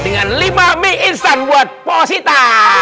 dengan lima mie instan what posita